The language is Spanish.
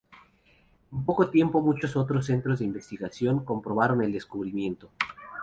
En poco tiempo muchos otros centros de investigación comprobaron el descubrimiento.